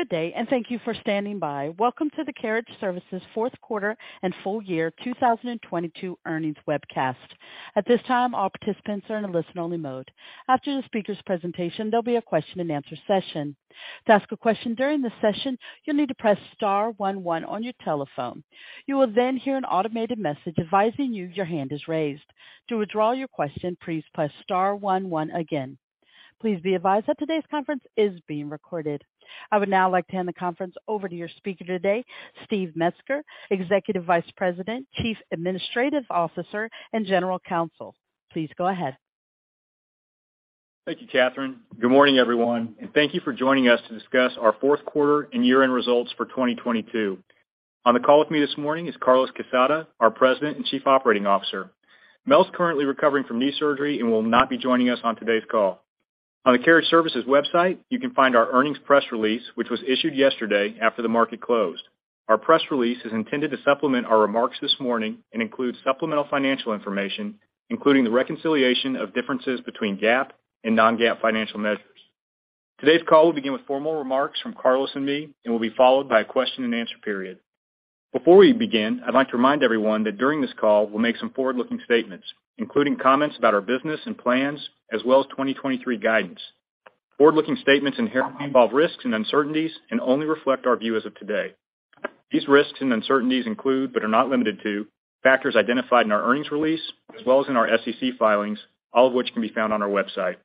Good day, and thank you for standing by. Welcome to the Carriage Services fourth quarter and full year 2022 earnings webcast. At this time, all participants are in a listen-only mode. After the speaker's presentation, there'll be a question-and-answer session. To ask a question during the session, you'll need to press star one one on your telephone. You will then hear an automated message advising you your hand is raised. To withdraw your question, please press star one one again. Please be advised that today's conference is being recorded. I would now like to hand the conference over to your speaker today, Steve Metzger, Executive Vice President, Chief Administrative Officer, and General Counsel. Please go ahead. Thank you, Catherine. Good morning, everyone, thank you for joining us to discuss our fourth quarter and year-end results for 2022. On the call with me this morning is Carlos Quezada, our President and Chief Operating Officer. Mel's currently recovering from knee surgery and will not be joining us on today's call. On the Carriage Services website, you can find our earnings press release, which was issued yesterday after the market closed. Our press release is intended to supplement our remarks this morning and includes supplemental financial information, including the reconciliation of differences between GAAP and non-GAAP financial measures. Today's call will begin with formal remarks from Carlos and me and will be followed by a question-and-answer period. Before we begin, I'd like to remind everyone that during this call will make some forward-looking statements, including comments about our business and plans as well as 2023 guidance. Forward-looking statements inherently involve risks and uncertainties and only reflect our view as of today. These risks and uncertainties include, but are not limited to, factors identified in our earnings release as well as in our SEC filings, all of which can be found on our website.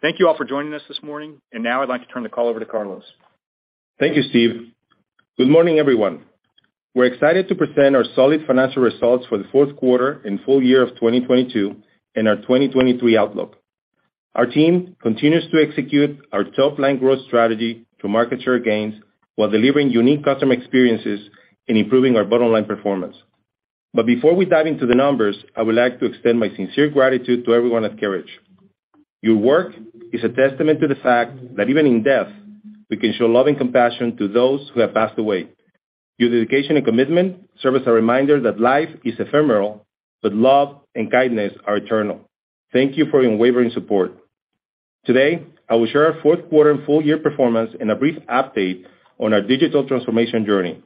Thank you all for joining us this morning. Now I'd like to turn the call over to Carlos. Thank you, Steve. Good morning, everyone. We're excited to present our solid financial results for the fourth quarter and full year of 2022 and our 2023 outlook. Our team continues to execute our top-line growth strategy through market share gains while delivering unique customer experiences and improving our bottom-line performance. Before we dive into the numbers, I would like to extend my sincere gratitude to everyone at Carriage. Your work is a testament to the fact that even in death, we can show love and compassion to those who have passed away. Your dedication and commitment serve as a reminder that life is ephemeral, but love and kindness are eternal. Thank you for your unwavering support. Today, I will share our fourth quarter full-year performance and a brief update on our digital transformation journey.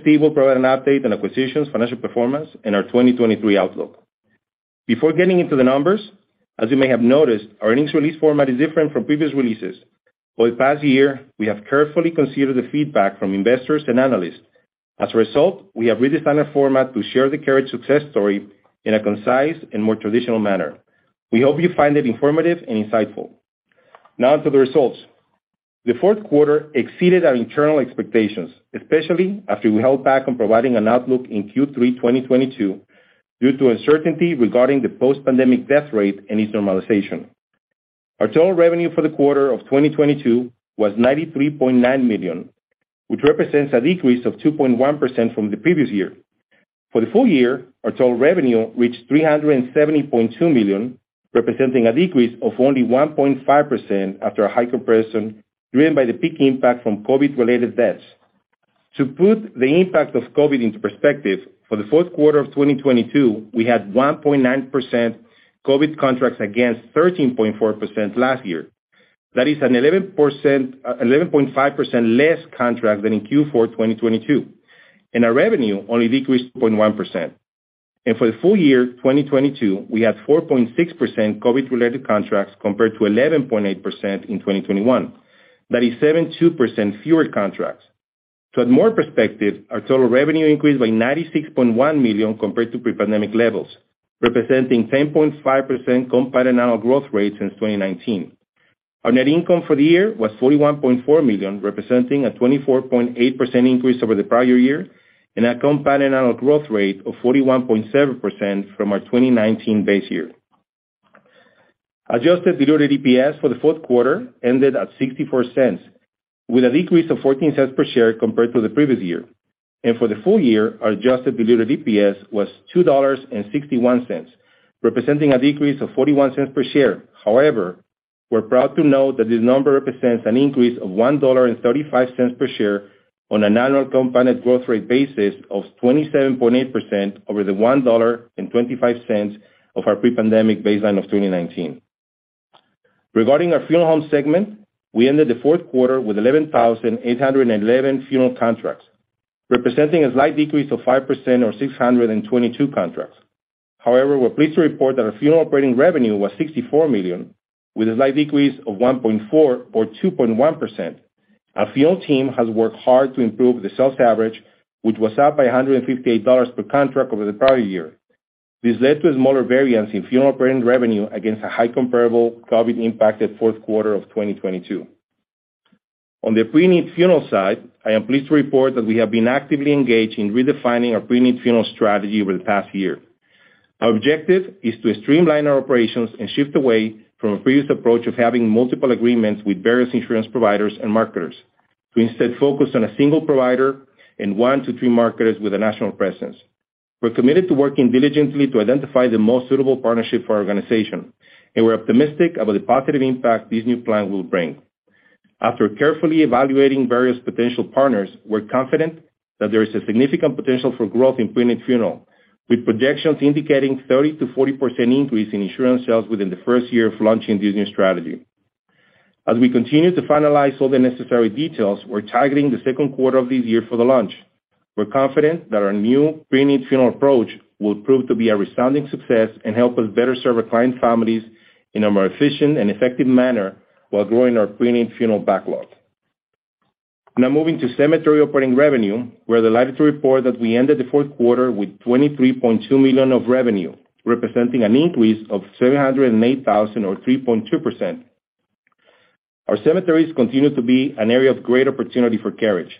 Steve will provide an update on acquisitions, financial performance, and our 2023 outlook. Before getting into the numbers, as you may have noticed, our earnings release format is different from previous releases. For the past year, we have carefully considered the feedback from investors and analysts. As a result, we have redesigned a format to share the Carriage success story in a concise and more traditional manner. We hope you find it informative and insightful. To the results. The fourth quarter exceeded our internal expectations, especially after we held back on providing an outlook in Q3 2022 due to uncertainty regarding the post-pandemic death rate and its normalization. Our total revenue for the quarter of 2022 was $93.9 million, which represents a decrease of 2.1% from the previous year. For the full year, our total revenue reached $370.2 million, representing a decrease of only 1.5% after a high comparison driven by the peak impact from COVID-related deaths. To put the impact of COVID into perspective, for the fourth quarter of 2022, we had 1.9% COVID contracts against 13.4% last year. That is 11.5% less contract than in Q4 2022, and our revenue only decreased 0.1%. For the full year 2022, we had 4.6% COVID-related contracts compared to 11.8% in 2021. That is 72% fewer contracts. To add more perspective, our total revenue increased by $96.1 million compared to pre-pandemic levels, representing 10.5% compound annual growth rate since 2019. Our net income for the year was $41.4 million, representing a 24.8% increase over the prior year and a compound annual growth rate of 41.7% from our 2019 base year. Adjusted diluted EPS for the fourth quarter ended at $0.64, with a decrease of $0.14 per share compared to the previous year. For the full year, our adjusted diluted EPS was $2.61, representing a decrease of $0.41 per share. However, we're proud to note that this number represents an increase of $1.35 per share on an annual compounded growth rate basis of 27.8% over the $1.25 of our pre-pandemic baseline of 2019. Regarding our funeral home segment, we ended the fourth quarter with 11,811 funeral contracts, representing a slight decrease of 5% or 622 contracts. However, we're pleased to report that our funeral operating revenue was $64 million, with a slight decrease of 1.4% or 2.1%. Our funeral team has worked hard to improve the sales average, which was up by $158 per contract over the prior year. This led to a smaller variance in funeral operating revenue against a high comparable COVID-impacted fourth quarter of 2022. On the pre-need funeral side, I am pleased to report that we have been actively engaged in redefining our pre-need funeral strategy over the past year. Our objective is to streamline our operations and shift away from a previous approach of having multiple agreements with various insurance providers and marketers to instead focus on a single provider and 1 to 3 marketers with a national presence. We're committed to working diligently to identify the most suitable partnership for our organization, and we're optimistic about the positive impact this new plan will bring. After carefully evaluating various potential partners, we're confident that there is a significant potential for growth in pre-need funeral, with projections indicating 30%-40% increase in insurance sales within the first year of launching this new strategy. As we continue to finalize all the necessary details, we're targeting the second quarter of this year for the launch. We're confident that our new pre-need funeral approach will prove to be a resounding success and help us better serve our client families in a more efficient and effective manner while growing our pre-need funeral backlog. Moving to cemetery operating revenue, we're delighted to report that we ended the fourth quarter with $23.2 million of revenue, representing an increase of $708,000 or 3.2%. Our cemeteries continue to be an area of great opportunity for Carriage.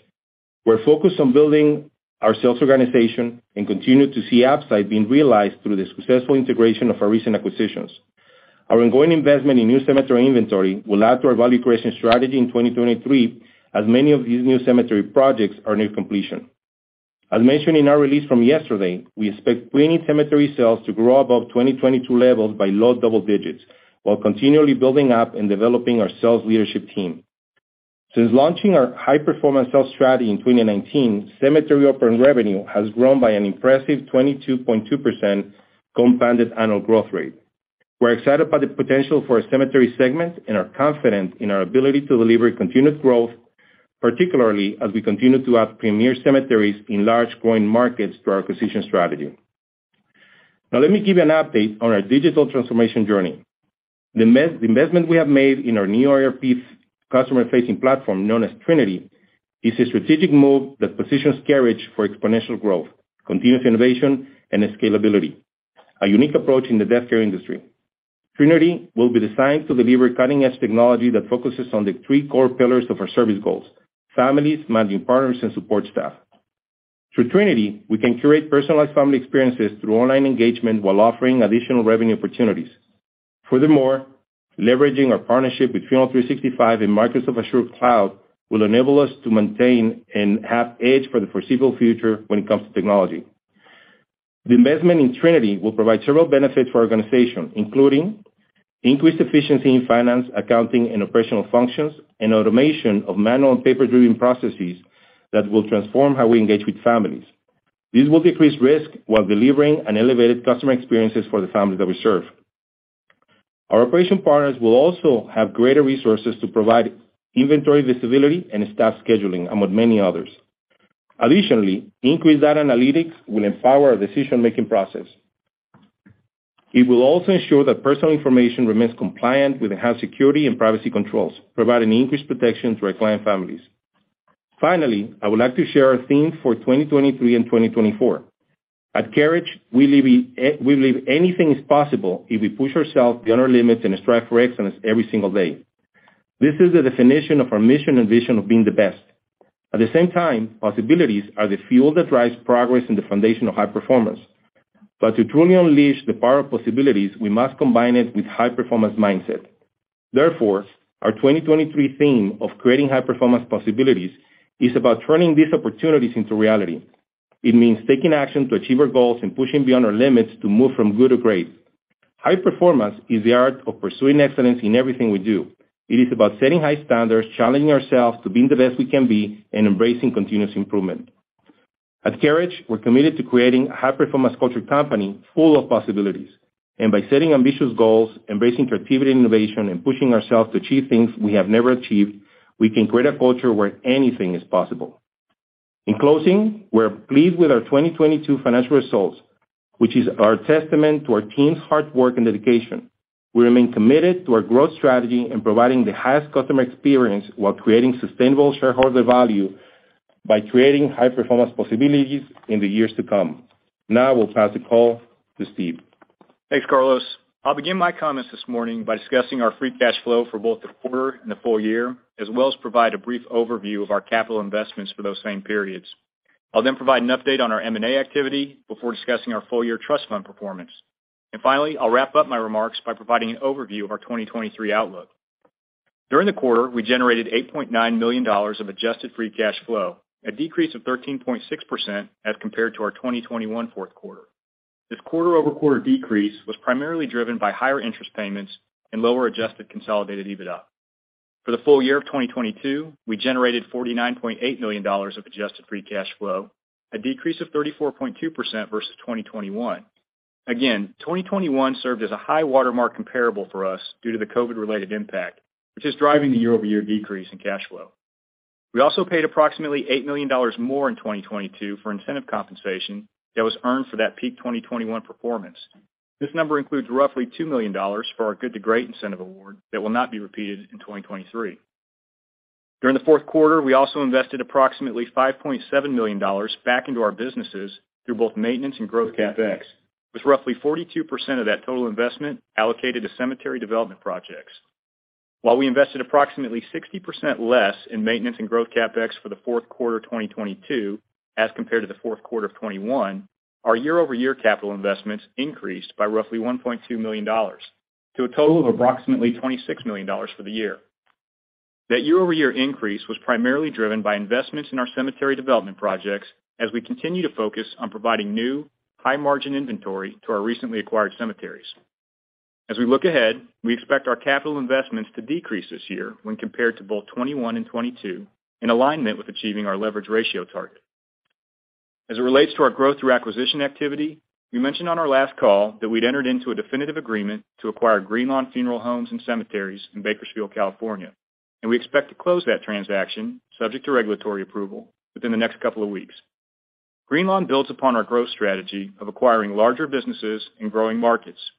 We're focused on building our sales organization and continue to see upside being realized through the successful integration of our recent acquisitions. Our ongoing investment in new cemetery inventory will add to our value creation strategy in 2023 as many of these new cemetery projects are near completion. As mentioned in our release from yesterday, we expect pre-need cemetery sales to grow above 2022 levels by low double digits while continually building up and developing our sales leadership team. Since launching our high-performance sales strategy in 2019, cemetery operating revenue has grown by an impressive 22.2% compounded annual growth rate. We're excited by the potential for our cemetery segment and are confident in our ability to deliver continued growth, particularly as we continue to add premier cemeteries in large growing markets through our acquisition strategy. Now, let me give you an update on our digital transformation journey. The investment we have made in our new ERP customer-facing platform, known as Trinity, is a strategic move that positions Carriage for exponential growth, continuous innovation, and scalability, a unique approach in the death care industry. Trinity will be designed to deliver cutting-edge technology that focuses on the three core pillars of our service goals: families, managing partners, and support staff. Through Trinity, we can curate personalized family experiences through online engagement while offering additional revenue opportunities. Leveraging our partnership with Funeral 365 and Microsoft Azure Cloud will enable us to maintain and have edge for the foreseeable future when it comes to technology. The investment in Trinity will provide several benefits for our organization, including increased efficiency in finance, accounting, and operational functions, and automation of manual and paper-driven processes that will transform how we engage with families. This will decrease risk while delivering an elevated customer experiences for the families that we serve. Our operation partners will also have greater resources to provide inventory visibility and staff scheduling, among many others. Increased data analytics will empower our decision-making process. It will also ensure that personal information remains compliant with enhanced security and privacy controls, providing increased protection to our client families. Finally, I would like to share our theme for 2023 and 2024. At Carriage, we believe anything is possible if we push ourselves beyond our limits and strive for excellence every single day. This is the definition of our mission and vision of being the best. At the same time, possibilities are the fuel that drives progress and the foundation of high performance. To truly unleash the power of possibilities, we must combine it with high-performance mindset. Therefore, our 2023 theme of creating high-performance possibilities is about turning these opportunities into reality. It means taking action to achieve our goals and pushing beyond our limits to move from good to great. High performance is the art of pursuing excellence in everything we do. It is about setting high standards, challenging ourselves to being the best we can be, and embracing continuous improvement. At Carriage, we're committed to creating a high-performance culture company full of possibilities. By setting ambitious goals, embracing creativity and innovation, and pushing ourselves to achieve things we have never achieved, we can create a culture where anything is possible. In closing, we're pleased with our 2022 financial results, which is our testament to our team's hard work and dedication. We remain committed to our growth strategy and providing the highest customer experience while creating sustainable shareholder value by creating high-performance possibilities in the years to come. Now I will pass the call to Steve. Thanks, Carlos. I'll begin my comments this morning by discussing our free cash flow for both the quarter and the full year, as well as provide a brief overview of our capital investments for those same periods. I'll then provide an update on our M&A activity before discussing our full-year trust fund performance. Finally, I'll wrap up my remarks by providing an overview of our 2023 outlook. During the quarter, we generated $8.9 million of Adjusted Free Cash Flow, a decrease of 13.6% as compared to our 2021 fourth quarter. This quarter-over-quarter decrease was primarily driven by higher interest payments and lower Adjusted Consolidated EBITDA. For the full year of 2022, we generated $49.8 million of Adjusted Free Cash Flow, a decrease of 34.2% versus 2021. Again, 2021 served as a high-water mark comparable for us due to the COVID-related impact, which is driving the year-over-year decrease in cash flow. We also paid approximately $8 million more in 2022 for incentive compensation that was earned for that peak 2021 performance. This number includes roughly $2 million for our Good To Great Incentive Award that will not be repeated in 2023. During the fourth quarter, we also invested approximately $5.7 million back into our businesses through both maintenance and growth CapEx, with roughly 42% of that total investment allocated to cemetery development projects. While we invested approximately 60% less in maintenance and growth CapEx for the fourth quarter of 2022 as compared to the fourth quarter of 2021, our year-over-year capital investments increased by roughly $1.2 million to a total of approximately $26 million for the year. That year-over-year increase was primarily driven by investments in our cemetery development projects as we continue to focus on providing new, high-margin inventory to our recently acquired cemeteries. As we look ahead, we expect our capital investments to decrease this year when compared to both 2021 and 2022 in alignment with achieving our leverage ratio target. As it relates to our growth through acquisition activity, we mentioned on our last call that we'd entered into a definitive agreement to acquire Greenlawn Funeral Homes and Cemeteries in Bakersfield, California, and we expect to close that transaction subject to regulatory approval within the next couple of weeks. Greenlawn builds upon our growth strategy of acquiring larger businesses in growing markets.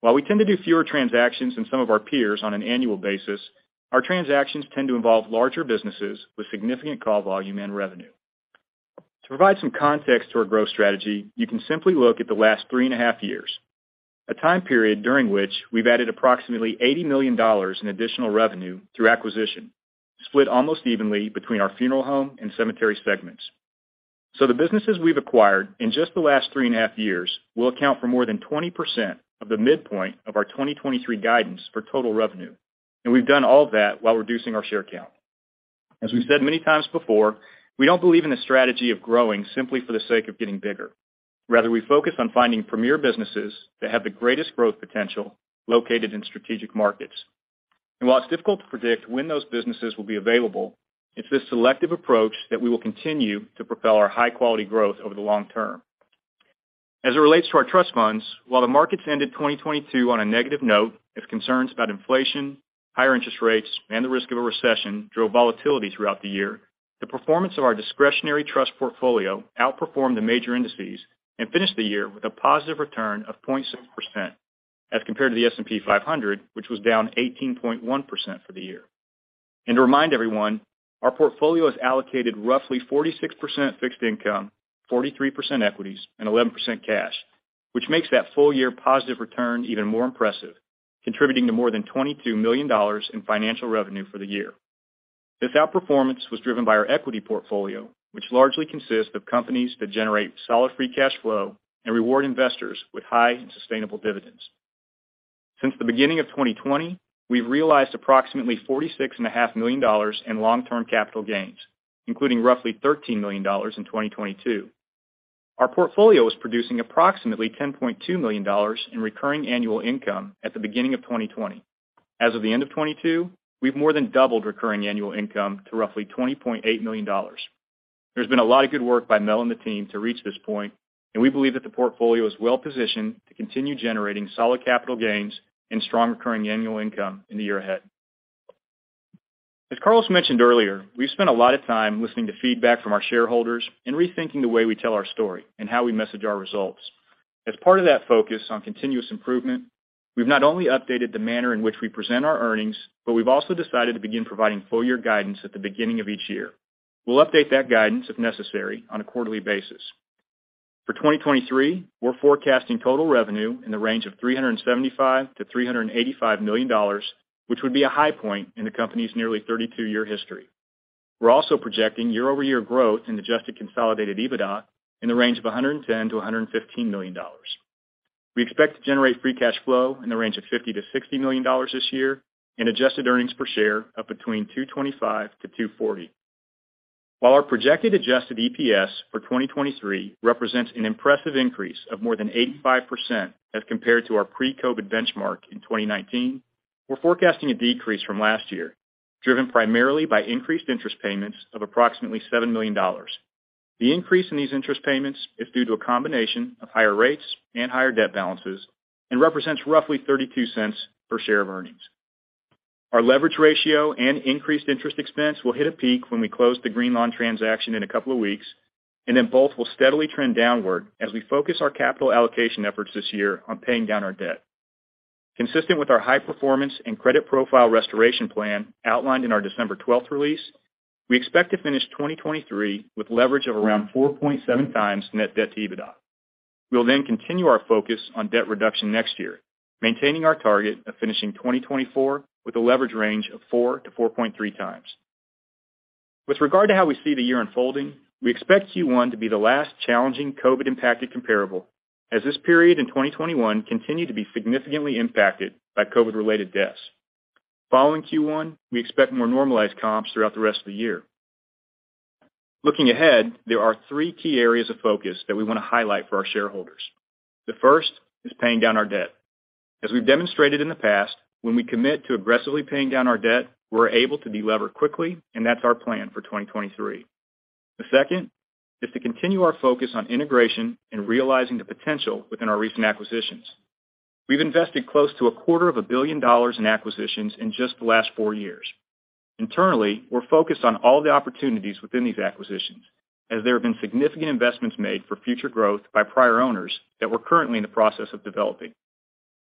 While we tend to do fewer transactions than some of our peers on an annual basis, our transactions tend to involve larger businesses with significant call volume and revenue. To provide some context to our growth strategy, you can simply look at the last three and a half years, a time period during which we've added approximately $80 million in additional revenue through acquisition, split almost evenly between our funeral home and cemetery segments. The businesses we've acquired in just the last three and a half years will account for more than 20% of the midpoint of our 2023 guidance for total revenue, and we've done all of that while reducing our share count. As we've said many times before, we don't believe in the strategy of growing simply for the sake of getting bigger. Rather, we focus on finding premier businesses that have the greatest growth potential located in strategic markets. While it's difficult to predict when those businesses will be available, it's this selective approach that we will continue to propel our high-quality growth over the long term. As it relates to our trust funds, while the markets ended 2022 on a negative note with concerns about inflation, higher interest rates, and the risk of a recession drove volatility throughout the year, the performance of our discretionary trust portfolio outperformed the major indices and finished the year with a positive return of 0.6% as compared to the S&P 500, which was down 18.1% for the year. To remind everyone, our portfolio has allocated roughly 46% fixed income, 43% equities and 11% cash, which makes that full year positive return even more impressive, contributing to more than $22 million in financial revenue for the year. This outperformance was driven by our equity portfolio, which largely consists of companies that generate solid free cash flow and reward investors with high and sustainable dividends. Since the beginning of 2020, we've realized approximately forty-six and a half million dollars in long-term capital gains, including roughly $13 million in 2022. Our portfolio is producing approximately $10.2 million in recurring annual income at the beginning of 2020. As of the end of 2022, we've more than doubled recurring annual income to roughly $20.8 million. There's been a lot of good work by Mel and the team to reach this point, and we believe that the portfolio is well-positioned to continue generating solid capital gains and strong recurring annual income in the year ahead. As Carlos mentioned earlier, we've spent a lot of time listening to feedback from our shareholders and rethinking the way we tell our story and how we message our results. As part of that focus on continuous improvement, we've not only updated the manner in which we present our earnings, but we've also decided to begin providing full year guidance at the beginning of each year. We'll update that guidance, if necessary, on a quarterly basis. For 2023, we're forecasting total revenue in the range of $375 million-$385 million, which would be a high point in the company's nearly 32-year history. We're also projecting year-over-year growth in Adjusted Consolidated EBITDA in the range of $110 million-$115 million. We expect to generate free cash flow in the range of $50 million-$60 million this year and adjusted earnings per share of between $2.25-$2.40. While our projected adjusted EPS for 2023 represents an impressive increase of more than 85% as compared to our pre-COVID benchmark in 2019, we're forecasting a decrease from last year, driven primarily by increased interest payments of approximately $7 million. The increase in these interest payments is due to a combination of higher rates and higher debt balances, and represents roughly $0.32 per share of earnings. Our leverage ratio and increased interest expense will hit a peak when we close the Greenlawn transaction in a couple of weeks, and then both will steadily trend downward as we focus our capital allocation efforts this year on paying down our debt. Consistent with our High Performance and Credit Profile Restoration Plan outlined in our December 12th release, we expect to finish 2023 with leverage of around 4.7x net debt to EBITDA. We'll continue our focus on debt reduction next year, maintaining our target of finishing 2024 with a leverage range of 4-4.3 times. With regard to how we see the year unfolding, we expect Q1 to be the last challenging COVID-impacted comparable, as this period in 2021 continued to be significantly impacted by COVID-related deaths. Following Q1, we expect more normalized comps throughout the rest of the year. Looking ahead, there are three key areas of focus that we want to highlight for our shareholders. The first is paying down our debt. As we've demonstrated in the past, when we commit to aggressively paying down our debt, we're able to delever quickly, and that's our plan for 2023. The second is to continue our focus on integration and realizing the potential within our recent acquisitions. We've invested close to a quarter of a billion dollars in acquisitions in just the last four years. Internally, we're focused on all the opportunities within these acquisitions as there have been significant investments made for future growth by prior owners that we're currently in the process of developing.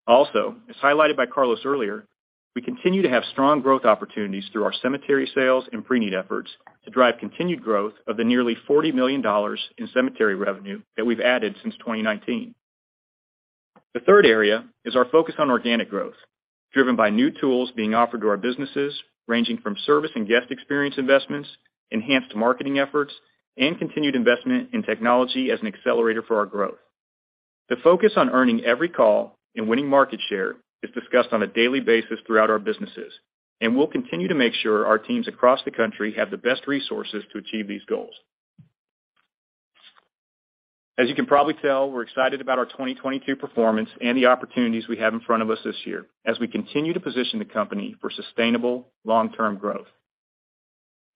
As highlighted by Carlos earlier, we continue to have strong growth opportunities through our cemetery sales and pre-need efforts to drive continued growth of the nearly $40 million in cemetery revenue that we've added since 2019. The third area is our focus on organic growth, driven by new tools being offered to our businesses, ranging from service and guest experience investments, enhanced marketing efforts, and continued investment in technology as an accelerator for our growth. The focus on earning every call and winning market share is discussed on a daily basis throughout our businesses, and we'll continue to make sure our teams across the country have the best resources to achieve these goals. As you can probably tell, we're excited about our 2022 performance and the opportunities we have in front of us this year as we continue to position the company for sustainable long-term growth.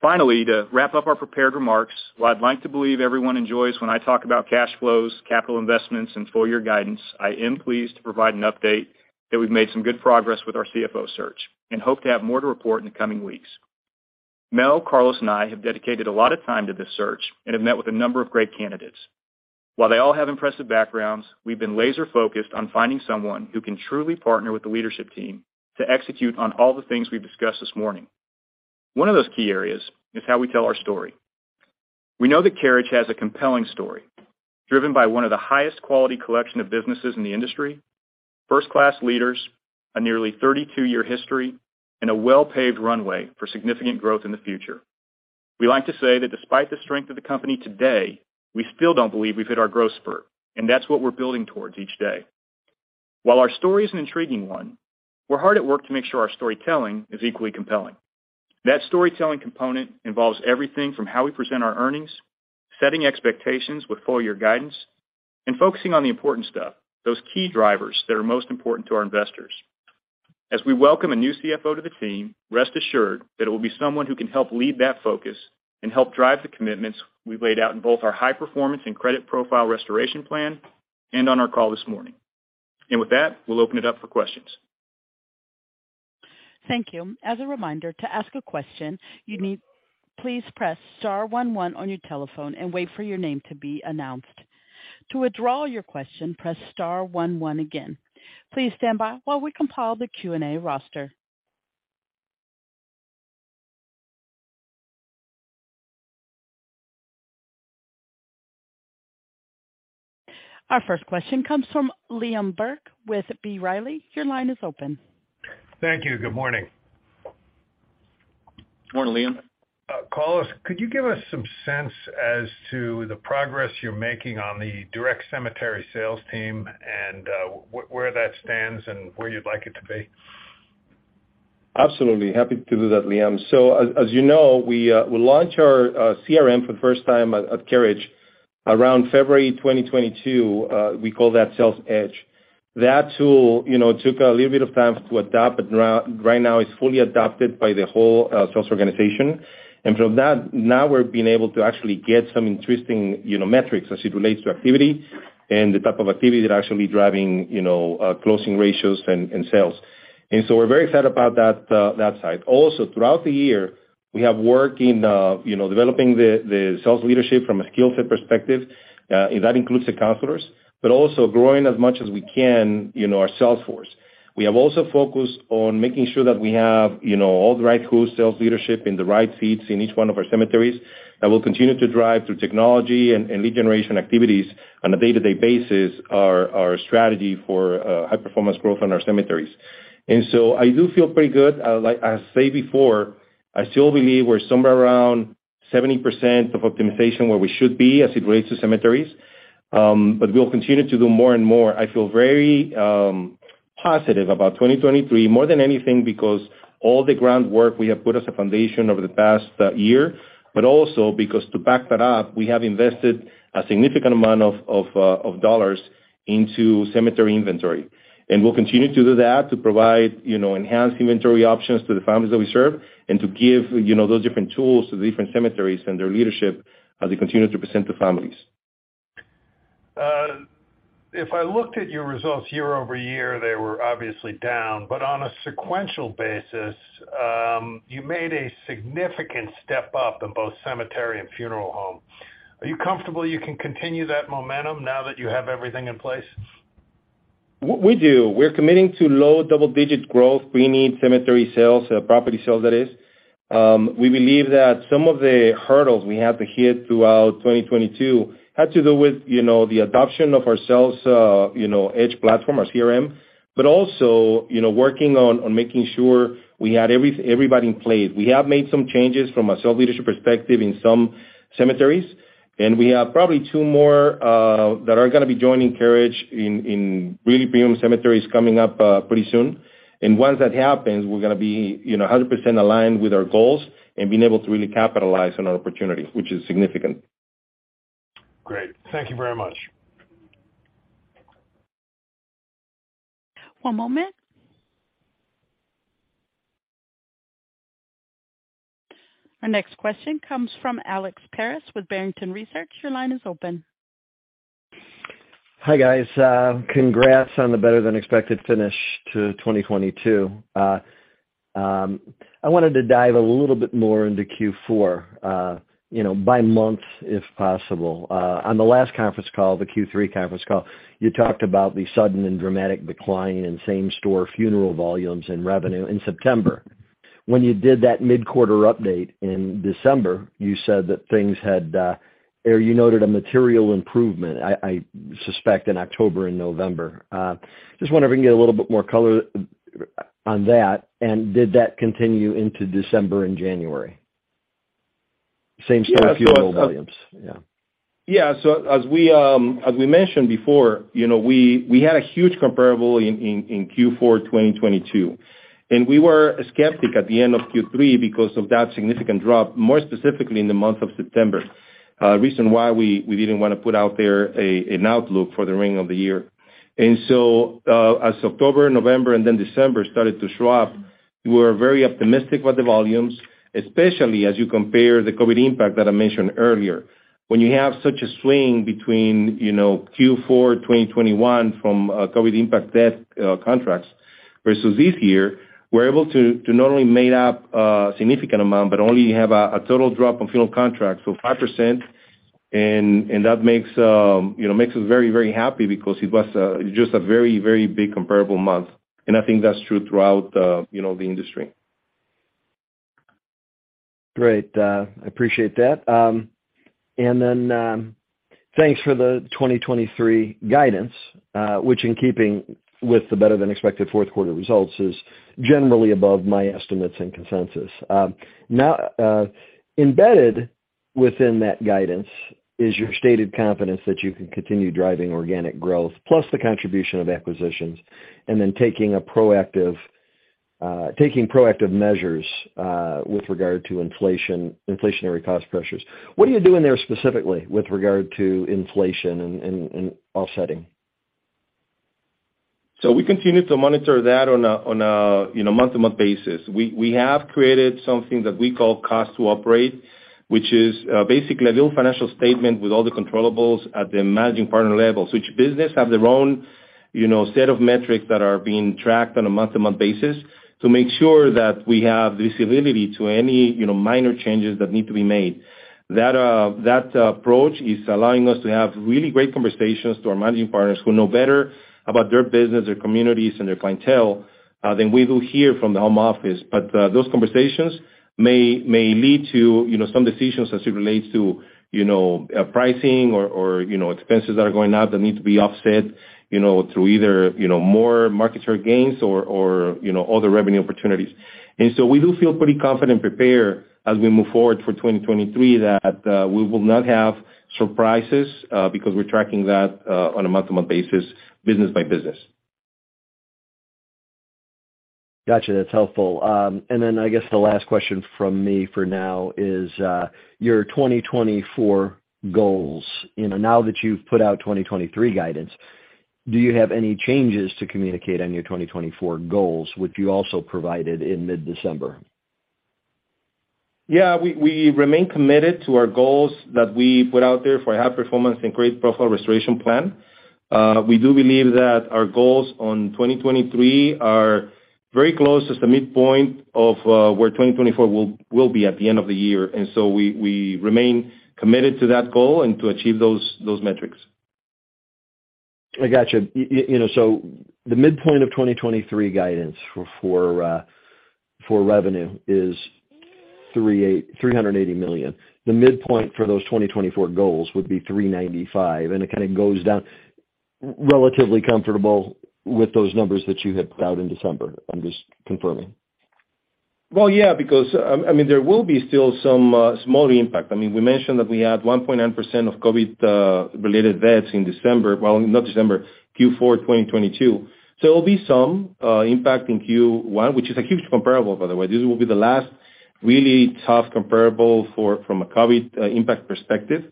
Finally, to wrap up our prepared remarks, while I'd like to believe everyone enjoys when I talk about cash flows, capital investments, and full-year guidance, I am pleased to provide an update that we've made some good progress with our CFO search and hope to have more to report in the coming weeks. Mel, Carlos, and I have dedicated a lot of time to this search and have met with a number of great candidates. While they all have impressive backgrounds, we've been laser-focused on finding someone who can truly partner with the leadership team to execute on all the things we've discussed this morning. One of those key areas is how we tell our story. We know that Carriage has a compelling story, driven by one of the highest quality collection of businesses in the industry, first-class leaders, a nearly 32-year history, and a well-paved runway for significant growth in the future. We like to say that despite the strength of the company today, we still don't believe we've hit our growth spurt, and that's what we're building towards each day. While our story is an intriguing one, we're hard at work to make sure our storytelling is equally compelling. That storytelling component involves everything from how we present our earnings, setting expectations with full year guidance, and focusing on the important stuff, those key drivers that are most important to our investors. As we welcome a new CFO to the team, rest assured that it will be someone who can help lead that focus and help drive the commitments we've laid out in both our High Performance and Credit Profile Restoration Plan and on our call this morning. With that, we'll open it up for questions. Thank you. As a reminder, to ask a question, please press star one one on your telephone and wait for your name to be announced. To withdraw your question, press star one one again. Please stand by while we compile the Q&A roster. Our first question comes from Liam Burke with B. Riley. Your line is open. Thank you. Good morning. Good morning, Liam. Carlos, could you give us some sense as to the progress you're making on the direct cemetery sales team and where that stands and where you'd like it to be? Absolutely. Happy to do that, Liam. As you know, we launched our CRM for the first time at Carriage around February 2022. We call that Sales Edge. That tool, you know, took a little bit of time to adopt, but right now it's fully adopted by the whole sales organization. From that, now we're being able to actually get some interesting, you know, metrics as it relates to activity and the type of activity that are actually driving, you know, closing ratios and sales. We're very excited about that side. Also, throughout the year, we have worked in, you know, developing the sales leadership from a skill set perspective, and that includes the counselors, but also growing as much as we can, you know, our sales force. We have also focused on making sure that we have, you know, all the right tools, sales leadership in the right seats in each one of our cemeteries that will continue to drive through technology and lead generation activities on a day-to-day basis are a strategy for high performance growth in our cemeteries. I do feel pretty good. Like I say before, I still believe we're somewhere around 70% of optimization where we should be as it relates to cemeteries, but we'll continue to do more and more. I feel very positive about 2023, more than anything because all the groundwork we have put as a foundation over the past year, but also because to back that up, we have invested a significant amount of dollars into cemetery inventory. We'll continue to do that to provide, you know, enhanced inventory options to the families that we serve and to give, you know, those different tools to the different cemeteries and their leadership as they continue to present to families. If I looked at your results year-over-year, they were obviously down. On a sequential basis, you made a significant step up in both cemetery and funeral home. Are you comfortable you can continue that momentum now that you have everything in place? We do. We're committing to low double-digit growth. We need cemetery sales, property sales that is. We believe that some of the hurdles we had to hit throughout 2022 had to do with, you know, the adoption of our Sales Edge platform, our CRM, but also, you know, working on making sure we had everybody in place. We have made some changes from a sales leadership perspective in some cemeteries, and we have probably two more that are gonna be joining Carriage in really premium cemeteries coming up pretty soon. Once that happens, we're gonna be, you know, 100% aligned with our goals and being able to really capitalize on our opportunity, which is significant. Great. Thank you very much. One moment. Our next question comes from Alex Paris with Barrington Research. Your line is open. Hi, guys. Congrats on the better than expected finish to 2022. I wanted to dive a little bit more into Q4, you know, by month, if possible. On the last conference call, the Q3 conference call, you talked about the sudden and dramatic decline in same-store funeral volumes and revenue in September. When you did that mid-quarter update in December, you said that things had, or you noted a material improvement, I suspect in October and November. Just wondering if we can get a little bit more color on that. Did that continue into December and January? Same store funeral volumes. Yeah. Yeah. As we, as we mentioned before, you know, we had a huge comparable in, in Q4 2022, and we were skeptic at the end of Q3 because of that significant drop, more specifically in the month of September. Reason why we didn't wanna put out there a, an outlook for the remaining of the year. As October, November, and then December started to show up, we were very optimistic about the volumes, especially as you compare the COVID impact that I mentioned earlier. When you have such a swing between, you know, Q4 2021 from COVID impact death contracts versus this year, we're able to not only made up a significant amount, but only have a total drop on funeral contracts of 5% and that makes, you know, makes us very happy because it was just a very big comparable month. I think that's true throughout, you know, the industry. Great. I appreciate that. Thanks for the 2023 guidance, which in keeping with the better than expected fourth quarter results is generally above my estimates and consensus. Embedded within that guidance is your stated confidence that you can continue driving organic growth plus the contribution of acquisitions, taking proactive measures with regard to inflation, inflationary cost pressures. What are you doing there specifically with regard to inflation and offsetting? We continue to monitor that on a, you know, month-to-month basis. We have created something that we call cost to operate, which is basically a little financial statement with all the controllables at the managing partner levels. Each business have their own, you know, set of metrics that are being tracked on a month-to-month basis to make sure that we have visibility to any, you know, minor changes that need to be made. That approach is allowing us to have really great conversations to our managing partners who know better about their business, their communities, and their clientele than we do here from the home office. Those conversations may lead to, you know, some decisions as it relates to, you know, pricing or, you know, expenses that are going up that need to be offset, you know, through either, you know, more market share gains or, you know, other revenue opportunities. We do feel pretty confident and prepared as we move forward for 2023 that we will not have surprises, because we're tracking that on a month-to-month basis, business by business. Gotcha. That's helpful. I guess the last question from me for now is, your 2024 goals. You know, now that you've put out 2023 guidance, do you have any changes to communicate on your 2024 goals, which you also provided in mid-December? We remain committed to our goals that we put out there for High Performance and Credit Profile Restoration Plan. We do believe that our goals on 2023 are very close to the midpoint of where 2024 will be at the end of the year. We remain committed to that goal and to achieve those metrics. I gotcha. You know, the midpoint of 2023 guidance for revenue is $380 million. The midpoint for those 2024 goals would be $395 million. It kinda goes down relatively comfortable with those numbers that you had put out in December. I'm just confirming. Well, yeah, because, I mean, there will be still some small impact. I mean, we mentioned that we had 1.9% of COVID related deaths in December. Well, not December, Q4 2022. There'll be some impact in Q1, which is a huge comparable, by the way. This will be the last really tough comparable for, from a COVID impact perspective.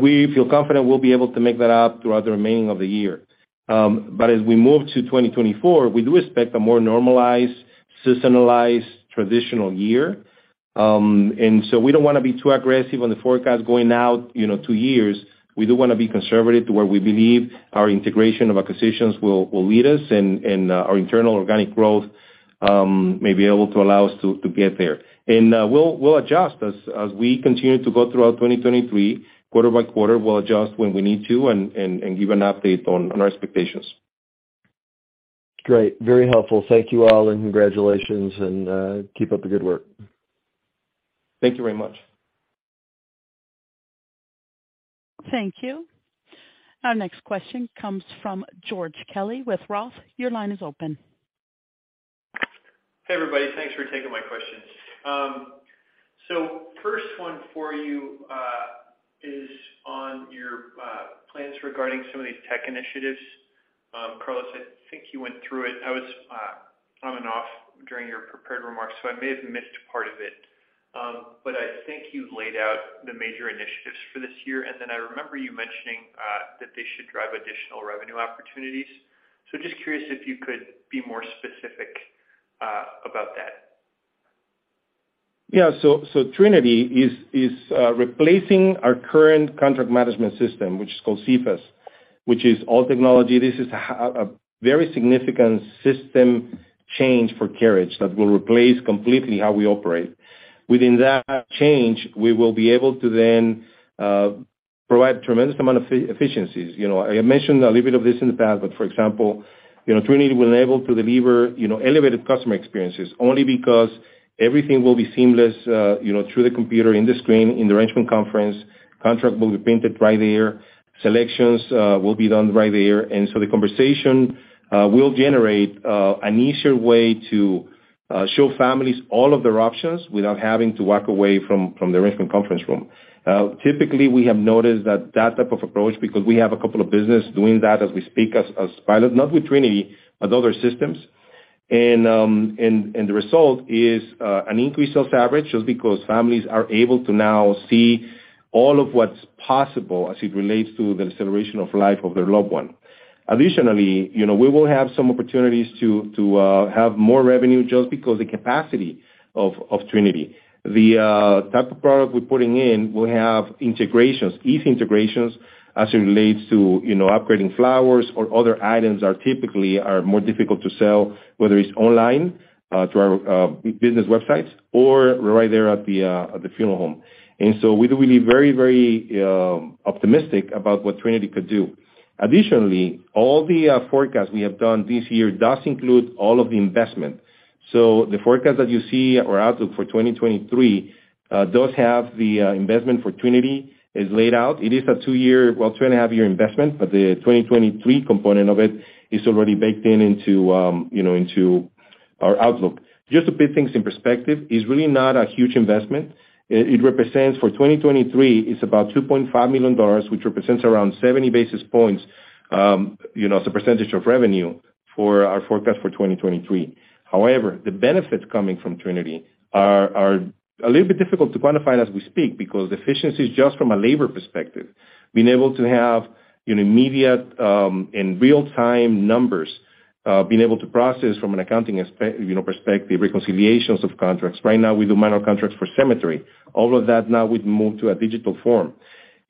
We feel confident we'll be able to make that up throughout the remaining of the year. But as we move to 2024, we do expect a more normalized, seasonalized traditional year. We don't wanna be too aggressive on the forecast going out, you know, 2 years. We do wanna be conservative to where we believe our integration of acquisitions will lead us and our internal organic growth may be able to allow us to get there. We'll adjust as we continue to go throughout 2023, quarter by quarter, we'll adjust when we need to and give an update on our expectations. Great. Very helpful. Thank you all. Congratulations. Keep up the good work. Thank you very much. Thank you. Our next question comes from George Kelly with Roth. Your line is open. Hey, everybody. Thanks for taking my questions. First one for you is on your plans regarding some of these tech initiatives. Carlos, I think you went through it. I was on and off during your prepared remarks, so I may have missed part of it. But I think you laid out the major initiatives for this year, and then I remember you mentioning that they should drive additional revenue opportunities. Just curious if you could be more specific about that. Yeah. Trinity is replacing our current contract management system, which is called CEFAS, which is all technology. This is a very significant system change for Carriage that will replace completely how we operate. Within that change, we will be able to then provide tremendous amount of efficiencies. You know, I mentioned a little bit of this in the past, but for example, you know, Trinity will enable to deliver, you know, elevated customer experiences only because everything will be seamless, you know, through the computer in the screen in the arrangement conference. Contract will be printed right there. Selections will be done right there. The conversation will generate an easier way to show families all of their options without having to walk away from the arrangement conference room. Typically, we have noticed that that type of approach, because we have a couple of business doing that as we speak as pilot, not with Trinity, but other systems. The result is an increase of average just because families are able to now see all of what's possible as it relates to the celebration of life of their loved one. Additionally, you know, we will have some opportunities to have more revenue just because the capacity of Trinity. The type of product we're putting in will have integrations, easy integrations as it relates to, you know, upgrading flowers or other items are typically more difficult to sell, whether it's online, through our business websites or right there at the funeral home. We're really very, very optimistic about what Trinity could do. Additionally, all the forecasts we have done this year does include all of the investment. The forecast that you see or outlook for 2023 does have the investment for Trinity is laid out. It is a two-year, well, two and a half year investment, the 2023 component of it is already baked in into, you know, into our outlook. Just to put things in perspective, it's really not a huge investment. It represents for 2023, it's about $2.5 million, which represents around 70 basis points, you know, as a percentage of revenue for our forecast for 2023. However, the benefits coming from Trinity are a little bit difficult to quantify as we speak because efficiencies just from a labor perspective, being able to have, you know, immediate, and real-time numbers, being able to process from an accounting, you know, perspective, reconciliations of contracts. Right now, we do minor contracts for cemetery. All of that now we've moved to a digital form.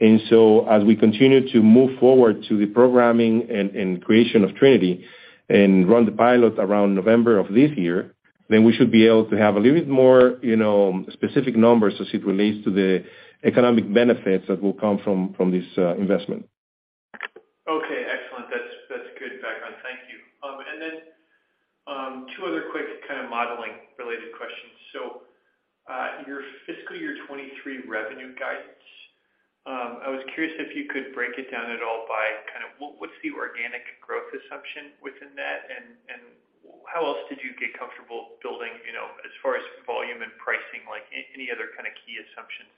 As we continue to move forward to the programming and creation of Trinity and run the pilot around November of this year, then we should be able to have a little bit more, you know, specific numbers as it relates to the economic benefits that will come from this investment. Okay, excellent. That's good background. Thank you. Two other quick kind of modeling related questions. Your fiscal year 23 revenue guidance, I was curious if you could break it down at all by kind of what's the organic growth assumption within that, how else did you get comfortable building, you know, as far as volume and pricing, like any other kind of key assumptions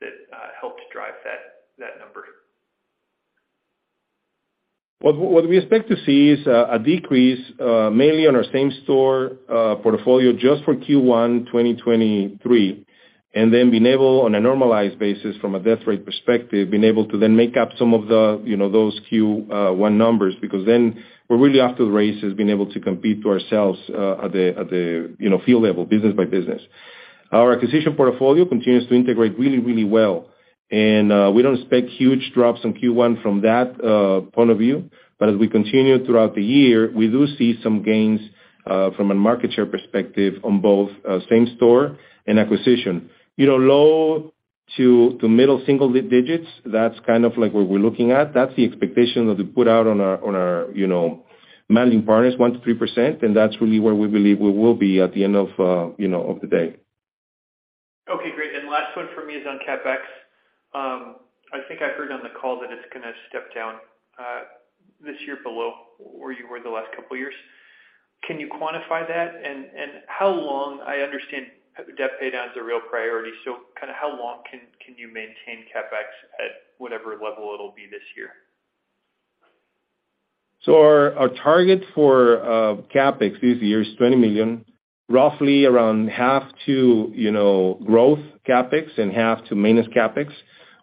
that helped drive that number? What we expect to see is a decrease, mainly on our same store portfolio just for Q1 2023, and then being able on a normalized basis from a death rate perspective, being able to then make up some of the, you know, those Q1 numbers. Then we're really after the race is being able to compete to ourselves, at the, you know, field level, business by business. Our acquisition portfolio continues to integrate really, really well, and we don't expect huge drops in Q1 from that point of view. As we continue throughout the year, we do see some gains, from a market share perspective on both same store and acquisition. You know, low to middle single digits, that's kind of like what we're looking at. That's the expectation that we put out on our, you know, managing partners, 1%-3%. That's really where we believe we will be at the end of, you know, of the day. Okay, great. Last one for me is on CapEx. I think I heard on the call that it's gonna step down this year below where you were the last couple years. Can you quantify that? I understand debt paydown is a real priority, so kinda how long can you maintain CapEx at whatever level it'll be this year? Our target for CapEx this year is $20 million, roughly around half to, you know, growth CapEx and half to maintenance CapEx.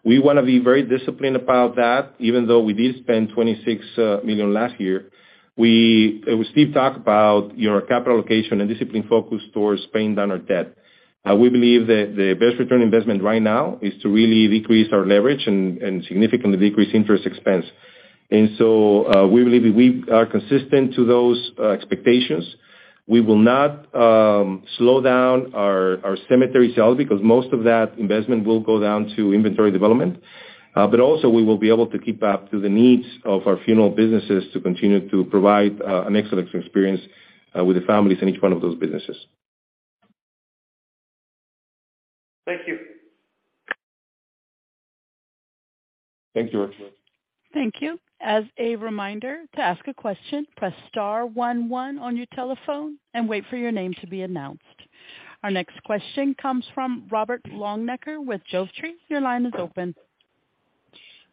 We wanna be very disciplined about that, even though we did spend $26 million last year. We still talk about your capital allocation and discipline focus towards paying down our debt. We believe that the best return investment right now is to really decrease our leverage and significantly decrease interest expense. We believe we are consistent to those expectations. We will not slow down our cemetery sales because most of that investment will go down to inventory development. But also we will be able to keep up to the needs of our funeral businesses to continue to provide an excellent experience with the families in each one of those businesses. Thank you. Thank you, George. Thank you. As a reminder, to ask a question, press star one one on your telephone and wait for your name to be announced. Our next question comes from Robert Longnecker with Jefferies. Your line is open.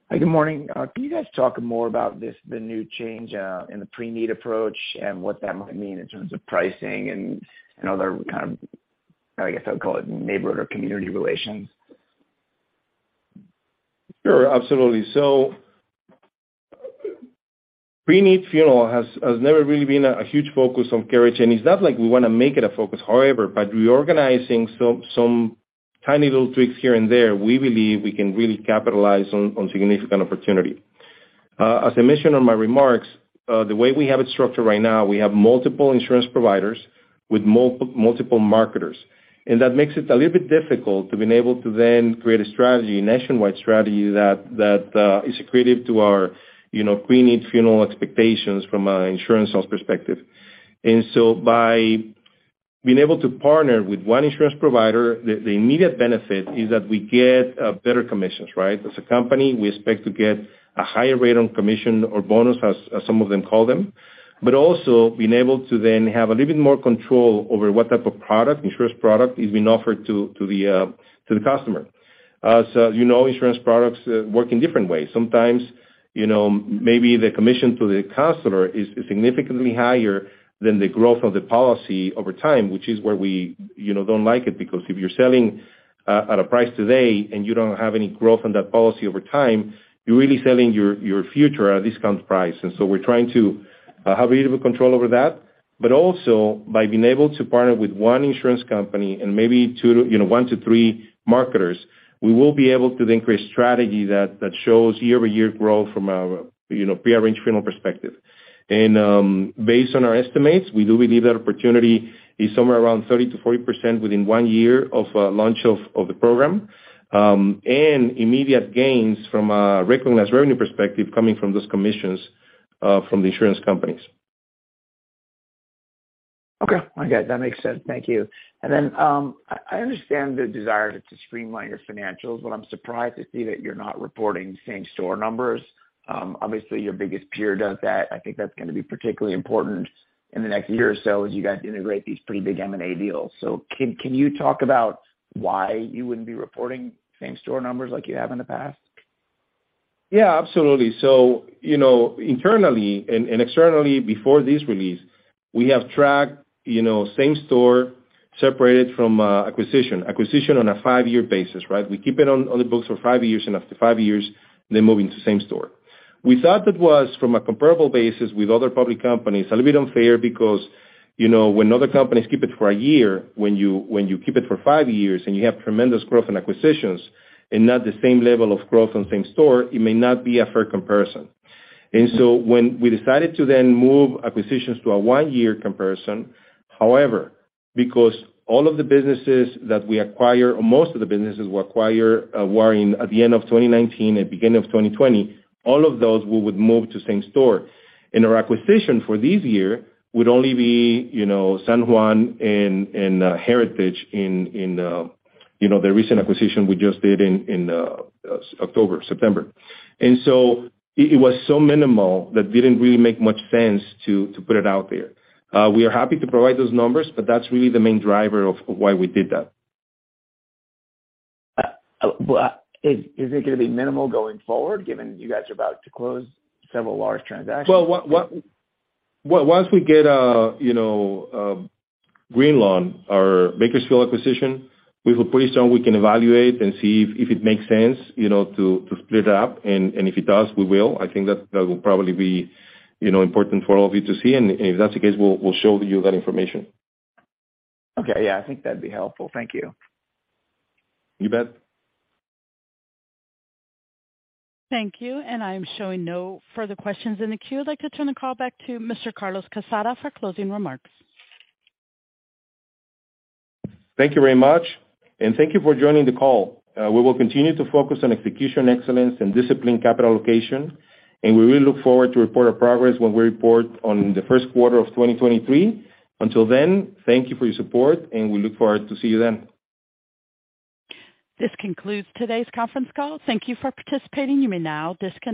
Hi, good morning. Can you guys talk more about this, the new change in the pre-need approach and what that might mean in terms of pricing and other kind of, I guess, I would call it neighborhood or community relations? Sure, absolutely. Pre-need funeral has never really been a huge focus on Carriage, and it's not like we wanna make it a focus. However, by reorganizing some tiny little tweaks here and there, we believe we can really capitalize on significant opportunity. As I mentioned on my remarks, the way we have it structured right now, we have multiple insurance providers with multiple marketers. That makes it a little bit difficult to being able to then create a strategy, a nationwide strategy that is accretive to our, you know, pre-need funeral expectations from an insurance sales perspective. By being able to partner with one insurance provider, the immediate benefit is that we get better commissions, right? As a company, we expect to get a higher rate on commission or bonus, as some of them call them. Also being able to then have a little bit more control over what type of product, insurance product is being offered to the customer. You know insurance products work in different ways. Sometimes, you know, maybe the commission to the customer is significantly higher than the growth of the policy over time, which is where we, you know, don't like it because if you're selling at a price today, and you don't have any growth on that policy over time, you're really selling your future at a discount price. We're trying to have a little bit of control over that. Also by being able to partner with one insurance company and maybe two to, you know, one to three marketers, we will be able to then create strategy that shows year-over-year growth from a, you know, pre-arranged funeral perspective. Based on our estimates, we do believe that opportunity is somewhere around 30%-40% within one year of launch of the program. Immediate gains from a recognized revenue perspective coming from those commissions, from the insurance companies. Okay. I get it. That makes sense. Thank you. I understand the desire to streamline your financials, but I'm surprised to see that you're not reporting same store numbers. Obviously, your biggest peer does that. I think that's gonna be particularly important in the next year or so as you guys integrate these pretty big M&A deals. Can you talk about why you wouldn't be reporting same store numbers like you have in the past? Yeah, absolutely. You know, internally and externally before this release, we have tracked, you know, same store separated from acquisition. Acquisition on a 5-year basis, right? We keep it on the books for 5 years, and after 5 years, then move into same store. We thought that was from a comparable basis with other public companies, a little bit unfair because, you know, when other companies keep it for 1 year, when you keep it for 5 years, and you have tremendous growth in acquisitions and not the same level of growth in same store, it may not be a fair comparison. When we decided to then move acquisitions to a 1-year comparison, however, because all of the businesses that we acquire or most of the businesses we acquire, were in at the end of 2019 and beginning of 2020, all of those we would move to same store. Our acquisition for this year would only be, you know, San Juan and Heritage in, you know, the recent acquisition we just did in October, September. It was so minimal that didn't really make much sense to put it out there. We are happy to provide those numbers, but that's really the main driver of why we did that. Well, is it gonna be minimal going forward given you guys are about to close several large transactions? Well, once we get, you know, Greenlawn or Bakersfield acquisition, we feel pretty sure we can evaluate and see if it makes sense, you know, to split it up. If it does, we will. I think that will probably be, you know, important for all of you to see. If that's the case, we'll show you that information. Okay. Yeah. I think that'd be helpful. Thank you. You bet. Thank you. I'm showing no further questions in the queue. I'd like to turn the call back to Mr. Carlos Quezada for closing remarks. Thank you very much. Thank you for joining the call. We will continue to focus on execution excellence and disciplined capital allocation, and we really look forward to report our progress when we report on the first quarter of 2023. Until then, thank you for your support, and we look forward to see you then. This concludes today's conference call. Thank you for participating. You may now disconnect.